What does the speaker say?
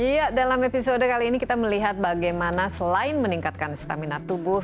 iya dalam episode kali ini kita melihat bagaimana selain meningkatkan stamina tubuh